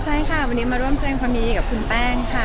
ใช่ค่ะวันนี้มาร่วมแสดงความดีกับคุณแป้งค่ะ